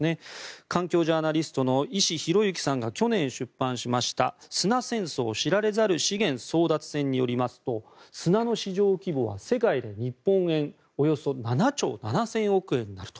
環境ジャーナリストの石弘之さんが去年出版した「砂戦争知られざる資源争奪戦」によりますと砂の市場規模は世界で日本円およそ７兆７０００億円になると。